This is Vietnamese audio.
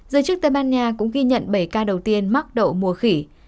giới chức tây ban nha cũng ghi nhận bảy ca đầu tiên mắc đậu mùa khỉ